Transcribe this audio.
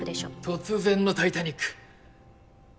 突然のタイタニック。